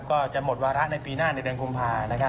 ก็จะหมดวาระในปีหน้าในเดือนคุมภาคมนะครับ